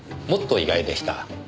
もっと意外でした。